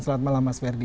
selamat malam mas verdi